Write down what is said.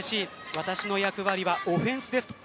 私の役割はオフェンスです。